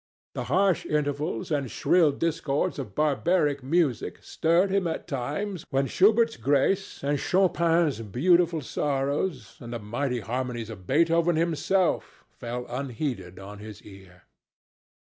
The harsh intervals and shrill discords of barbaric music stirred him at times when Schubert's grace, and Chopin's beautiful sorrows, and the mighty harmonies of Beethoven himself, fell unheeded on his ear.